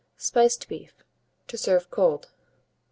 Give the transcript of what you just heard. SPICED BEEF (to Serve Cold).